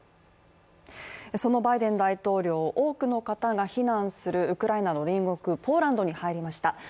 そのバイデン大統領、多くの方が避難するウクライナの隣国、ポーランドに入りました。